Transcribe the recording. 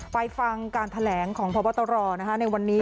ฟังการแถลงของพบตรในวันนี้